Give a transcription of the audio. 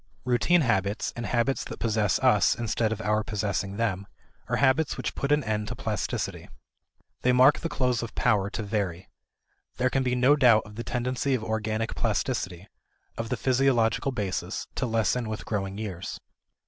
Routine habits, and habits that possess us instead of our possessing them, are habits which put an end to plasticity. They mark the close of power to vary. There can be no doubt of the tendency of organic plasticity, of the physiological basis, to lessen with growing years.